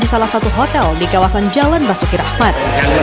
di salah satu hotel di kawasan jalan basuki rahmat